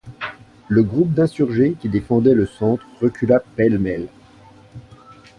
Le groupe d'insurgés qui défendait le centre recula pêle-mêle.